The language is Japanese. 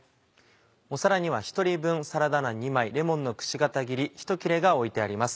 皿には１人分サラダ菜２枚レモンのくし形切り１切れが置いてあります。